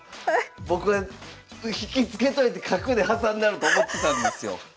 僕は引き付けといて角で挟んだろと思ってたんですよ。